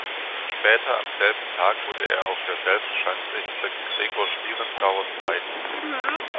Später am selben Tag wurde er auf derselben Schanze hinter Gregor Schlierenzauer Zweiter.